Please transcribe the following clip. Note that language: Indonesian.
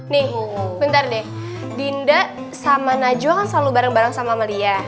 nih bentar deh dinda sama najwa kan selalu bareng bareng sama melia